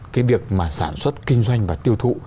cái việc mà sản xuất kinh doanh và tiêu thụ